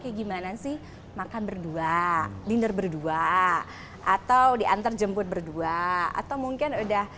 kayak gimana sih makan berdua linder berdua atau diantar jemput berdua atau mungkin udah